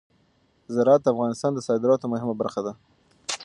زراعت د افغانستان د صادراتو مهمه برخه ده.